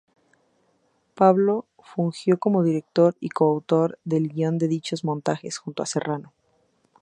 Pablo fungió como director y co-autor del guion de dichos montajes junto a Serrano.